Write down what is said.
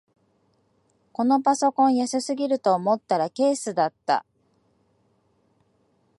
このパソコン安すぎると思ったらケースだった